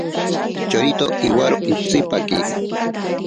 Chorito iwaro intsipaki.